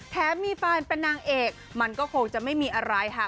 แถมมีแฟนเป็นนางเอกมันก็คงจะไม่มีอะไรค่ะ